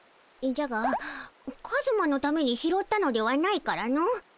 じゃがカズマのために拾ったのではないからの。